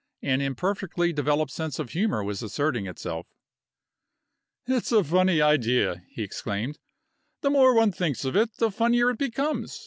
An imperfectly developed sense of humor was asserting itself. "It's a funny idea!" he exclaimed. "The more one thinks of it, the funnier it becomes.